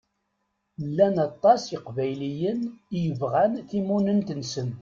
Llan aṭas n Iqbayliyen i yebɣan timunent-nsen.